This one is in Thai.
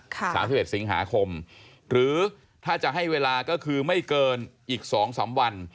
สามสิบเอ็ดสิงหาคมหรือถ้าจะให้เวลาก็คือไม่เกินอีกสองสามวัน